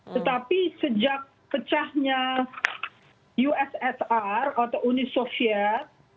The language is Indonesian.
tetapi sejak pecahnya ussr atau uni soviet